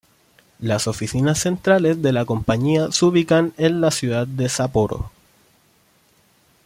Las oficinas centrales de la compañía se ubican en la ciudad de Sapporo.